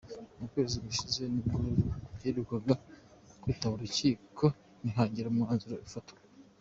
Mu kwezi gushize nibwo Lulu yaherukaga kwitaba urukiko ntihagira umwanzuro ufatwa.